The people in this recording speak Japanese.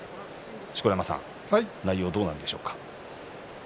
錣山さん内容どうなんでしょうか。